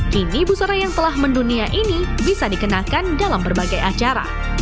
kini busana yang telah mendunia ini bisa dikenakan dalam berbagai acara